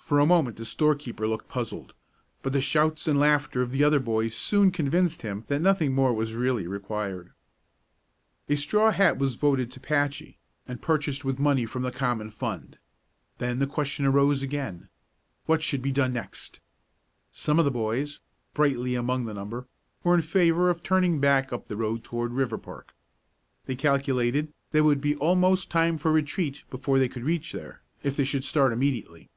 For a moment the storekeeper looked puzzled, but the shouts and laughter of the other boys soon convinced him that nothing more was really required. A straw hat was voted to Patchy, and purchased with money from the common fund; then the question arose again: What should be done next? Some of the boys, Brightly among the number, were in favor of turning back up the road toward Riverpark. They calculated that it would be almost time for retreat before they could reach there, if they should start immediately.